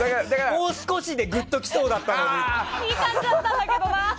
もう少しでグッときそうだったのに。